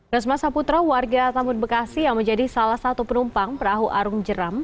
resma saputra warga tambun bekasi yang menjadi salah satu penumpang perahu arung jeram